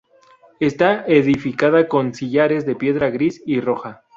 Está edificada con sillares de piedra gris y roja.